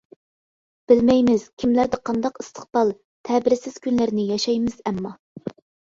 بىلمەيمىز كىملەردە قانداق ئىستىقبال، تەبىرسىز كۈنلەرنى ياشايمىز ئەمما.